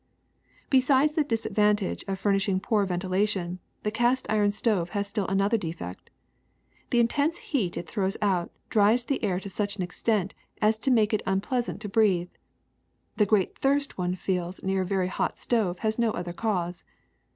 ^* Besides the disadvantage of furnishing poor ven tilation, the cast iron stove has still another defect. The intense heat that it throws out dries the air to such an extent as to make it unpleasant to breathe. The great thirst one feels near a very hot stove has no other cause.